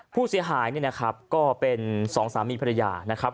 ผู้เสียหายเนี่ยนะครับก็เป็นสองสามีภรรยานะครับ